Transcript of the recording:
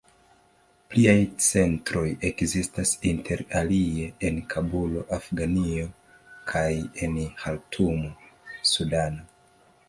Pliaj centroj ekzistas inter alie en Kabulo, Afganio kaj en Ĥartumo, Sudano.